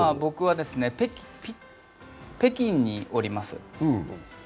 今、北京におります。